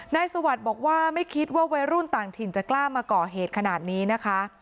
สวัสดิ์บอกว่าไม่คิดว่าวัยรุ่นต่างถิ่นจะกล้ามาก่อเหตุขนาดนี้นะคะ